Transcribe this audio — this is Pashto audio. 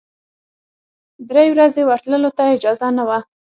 درې ورځې ورتللو ته اجازه نه وه.